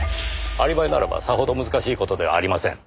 アリバイならばさほど難しい事ではありません。